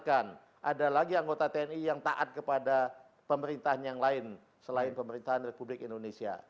ada lagi anggota tni yang taat kepada pemerintahan yang lain selain pemerintahan republik indonesia